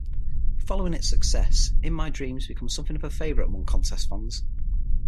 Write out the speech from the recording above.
Following its success, "In My Dreams" became something of a favourite among Contest fans.